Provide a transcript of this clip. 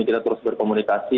ini kita terus berkomunikasi